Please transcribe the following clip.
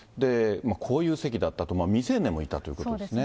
こういう席だったと、未成年もいたということですね。